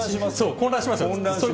混乱しますよ。